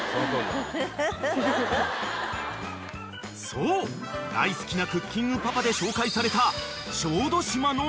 ［そう大好きな『クッキングパパ』で紹介された小豆島の］